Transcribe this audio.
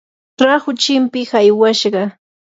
rahu chimpiq aywashqa.